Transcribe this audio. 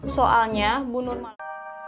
soalnya bu nurmala